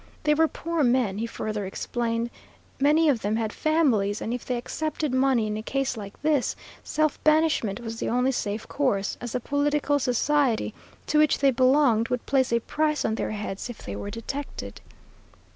They were poor men, he further explained, many of them had families, and if they accepted money in a case like this, self banishment was the only safe course, as the political society to which they belonged would place a price on their heads if they were detected.